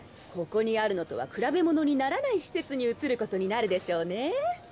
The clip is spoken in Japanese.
ここにあるのとは比べ物にならない施設に移る事になるでしょうね。